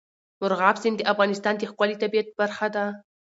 مورغاب سیند د افغانستان د ښکلي طبیعت برخه ده.